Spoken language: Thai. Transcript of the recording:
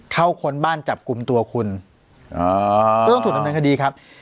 เข้าคนบ้านจับกลุ่มตัวคุณก็ต้องถูกนั้นก็ดีครับ